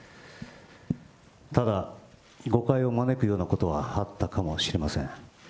ただ、誤解を招くようなことはあったかもしれません。